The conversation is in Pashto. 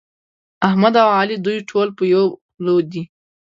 احمد او علي دوی ټول په يوه خوله دي.